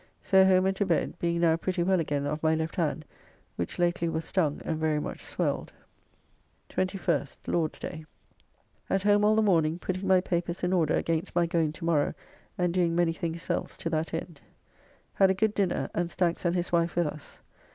So home and to bed, being now pretty well again of my left hand, which lately was stung and very much swelled. 21st (Lord's day). At home all the morning, putting my papers in order against my going to morrow and doing many things else to that end. Had a good dinner, and Stankes and his wife with us.